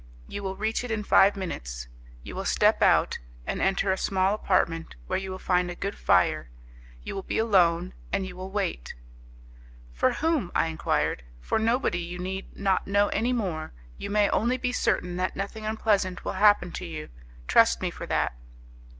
You will reach it in five minutes; you will step out and enter a small apartment, where you will find a good fire; you will be alone, and you will wait.' 'For whom? I enquired. 'For nobody. You need not know any more: you may only be certain that nothing unpleasant will happen to you; trust me for that.